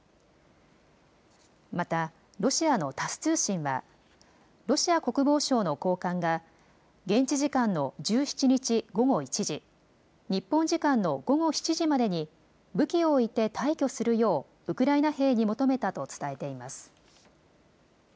またロシアのタス通信はロシア国防省の高官が現地時間の１７日午後１時、日本時間の午後７時までに武器を置いて退去するようウクライナ兵に求めたと伝えています。